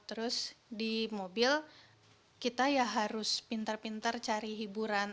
terus di mobil kita ya harus pintar pintar cari hiburan